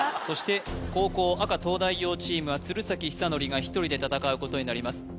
そして後攻赤東大王チームは鶴崎修功が１人で戦うことになります